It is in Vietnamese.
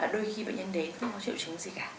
đôi khi bệnh nhân đến không có triệu chứng gì cả